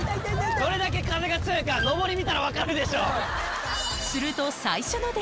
どれだけ風が強いかのぼり見たら分かるでしょ。